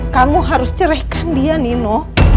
kamu harus cerehkan dia nino